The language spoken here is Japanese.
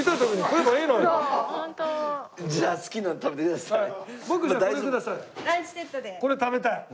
これ食べたい。